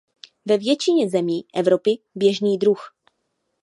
Ve většině zemí Evropy běžný druh.